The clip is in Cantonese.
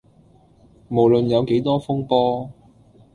無論有幾多風波